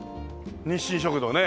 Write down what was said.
日進食堂ね。